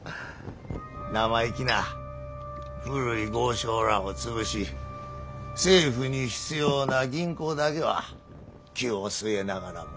生意気な古い豪商らぁを潰し政府に必要な銀行だけは灸を据えながらもどうにか生かすとは。